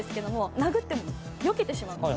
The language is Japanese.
殴っても、よけてしまうんです。